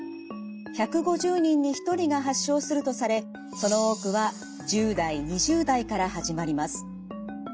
１５０人に１人が発症するとされその多くは１０代２０代から始まります。